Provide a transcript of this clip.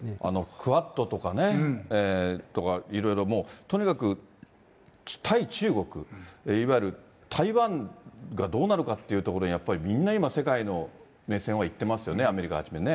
クアッドとかね、いろいろもうとにかく、対中国、いわゆる台湾がどうなるのかっていうことにみんな今、世界の目線は行ってますよね、アメリカはじめね。